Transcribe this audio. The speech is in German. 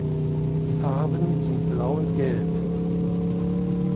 Die Farben sind blau und gelb.